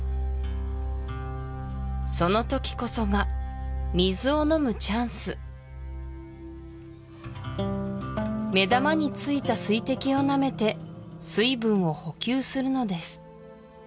その時こそが水を飲むチャンス目玉についた水滴をなめて水分を補給するのです